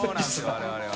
我々は。